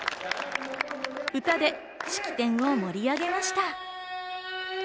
歌で式典を盛り上げました。